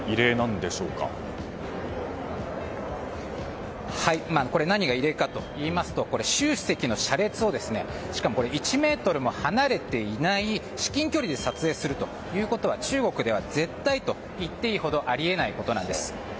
至って普通の光景に見えますけれども何が異例かといいますと習主席の車列を１ｍも離れていない至近距離で撮影するということは中国では絶対といっていいほどあり得ないことなんです。